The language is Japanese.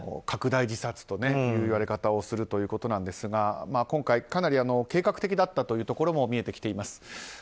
拡大自殺という言われ方をするということですが今回、かなり計画的だったというところも見えてきています。